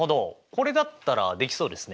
これだったらできそうですね。